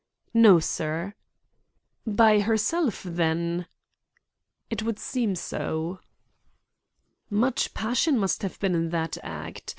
"No, sir." "By herself, then?" "It would seem so." "Much passion must have been in that act.